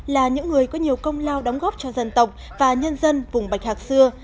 là những người có nhiều công lao đóng góp cho dân tộc và nhân dân vùng bạch hạc xưa